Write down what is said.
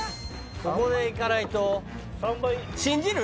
ここでいかないと信じる？